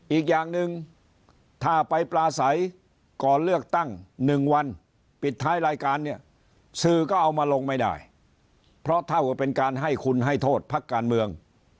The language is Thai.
อีกอย่างหนึ่งถ้าไปปลาใสก่อนเลือกตั้ง๑วันปิดท้ายรายการเนี่ยสื่อก็เอามาลงไม่ได้เพราะเท่ากับเป็นการให้คุณให้โทษพักการเมือง